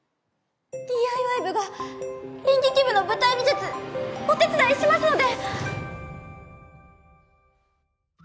ＤＩＹ部が演劇部の舞台美術お手伝いしますので！